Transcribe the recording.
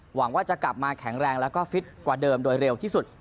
หวังว่าจะกลับมาแข็งแรงแล้วก็ฟิตกว่าเดิมโดยเร็วที่สุด